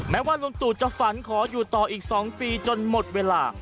ว่าลุงตู่จะฝันขออยู่ต่ออีก๒ปีจนหมดเวลา